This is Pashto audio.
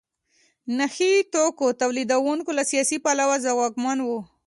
نخي توکو تولیدوونکي له سیاسي پلوه ځواکمن وو.